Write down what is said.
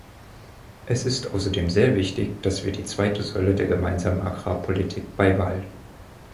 Es ist außerdem sehr wichtig, dass wir die zweite Säule der Gemeinsamen Agrarpolitik beibehalten.